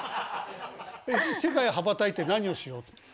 世界へ羽ばたいて何をしようと？